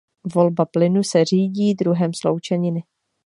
Volba plynu se řídí druhem sloučeniny.